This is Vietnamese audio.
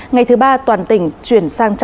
ngày thứ ba toàn tỉnh chuyển sang trạm